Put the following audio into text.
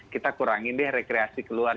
kita kurangin deh rekreasi keluar